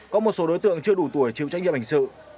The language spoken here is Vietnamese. có một số đối tượng chưa đủ tuổi chịu trách nhiệm hình sự